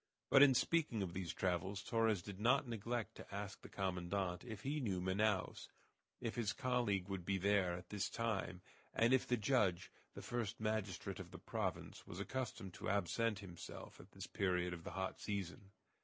But in speaking of these travels Torres did not neglect to ask the commandant if he knew Manaos, if his colleague would be there at this time, and if the judge, the first magistrate of the province, was accustomed to absent himself at this period of the hot season.